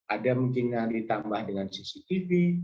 ada mungkin yang ditambah dengan cctv